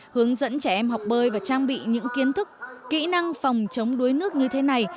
hướng dẫn trẻ em học bơi và trang bị những kiến thức kỹ năng phòng chống đuối nước như thế này